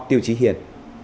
tiêu trí hiền